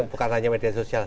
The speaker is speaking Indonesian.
bukan hanya media sosial